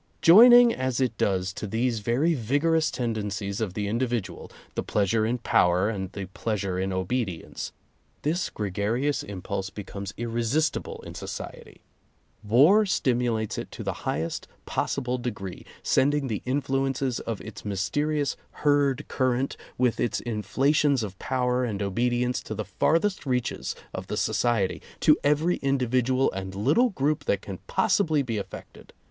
Joining as it does to these very vigorous ten dencies of the individual — the pleasure in power and the pleasure in obedience — this gregarious impulse becomes irresistible in society. War stimulates it to the highest possible degree, send ing the influences of its mysterious herd current with its inflations of power and obedience to the farthest reaches of the society, to every individual and little group that can possibly be affected.